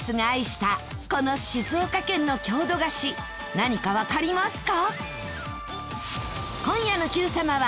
何かわかりますか？